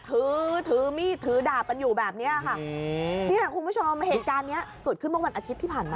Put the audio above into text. ถือถือมีดถือดาบกันอยู่แบบเนี้ยค่ะเนี่ยคุณผู้ชมเหตุการณ์เนี้ยเกิดขึ้นเมื่อวันอาทิตย์ที่ผ่านมา